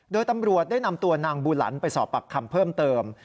โดยตำรวจได้นำตัวนางบูหลันไปสอบปากคำเพิ่มเติม